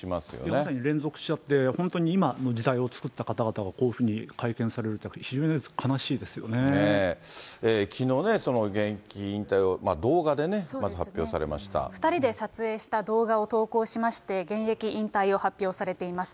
まさに連続しちゃって、本当に今の時代を作った方々がこういうふうに会見されると、非常きのう、現役引退を動画でね、２人で撮影した動画を投稿しまして、現役引退を発表されています。